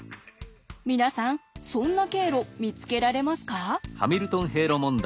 皆さんそんな経路見つけられますか？